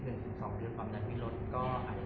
หรือเป็นอะไรที่คุณต้องการให้ดู